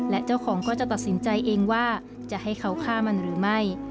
และเจ้าของก็จะตัดสินใจเองว่าจะให้เขาฆ่ามันหรือไม่